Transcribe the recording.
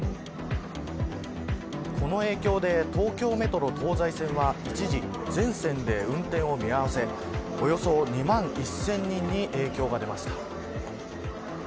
この影響で、東京メトロ東西線は一時全線で運転を見合わせおよそ２万１０００人に影響が出ました。